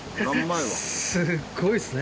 すごいっすね。